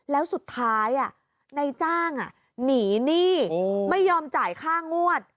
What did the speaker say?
แล้วสุดท้ายนายจ้างหนีหนี้ไม่ยอมจ่ายค่างวด